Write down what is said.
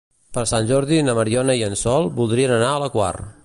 Per Sant Jordi na Mariona i en Sol voldrien anar a la Quar.